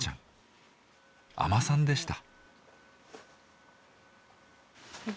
海女さんでした。